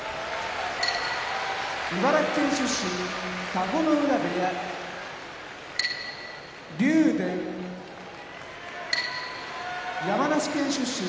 茨城県出身田子ノ浦部屋竜電山梨県出身